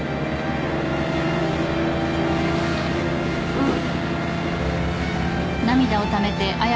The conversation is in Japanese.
うん。